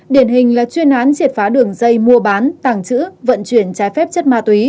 điển hình là chuyên án triệt phá đường dây mua bán tàng trữ vận chuyển trái phép chất ma túy